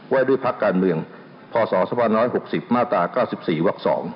ไว้ด้วยพักการเมืองพศ๑๖๐มาตร๙๔ว๒